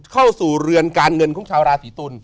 เข้าสู่เรือนการเงินของชาวราศีตุล